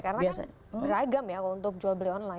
karena kan beragam ya untuk jual beli online